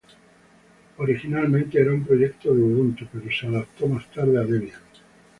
Originalmente era un proyecto de Ubuntu, pero se adaptó más tarde a Debian.